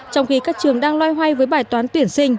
trong khi các trường đang loay hoay với bài toán tuyển sinh